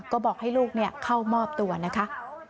ก็บอกให้ลูกเข้ามอบตัวนะคะ